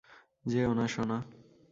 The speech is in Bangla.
যেও না, সোনা।